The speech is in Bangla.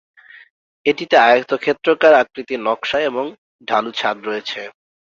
এটিতে আয়তক্ষেত্রাকার আকৃতির নকশা এবং ঢালু ছাদ রয়েছে।